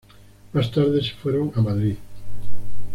Más tarde, se fueron a Madrid.